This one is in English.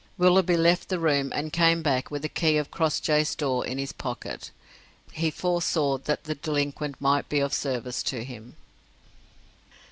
Willoughby left the room and came back with the key of Crossjay's door in his pocket. He foresaw that the delinquent might be of service to him.